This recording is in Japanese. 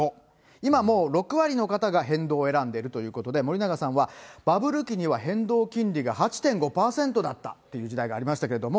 今もう、６割の方が変動を選んでるということで、森永さんはバブル期には、変動金利が８．５％だったという時代がありましたけれども。